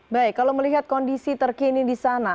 baik kalau melihat kondisi terkini di sana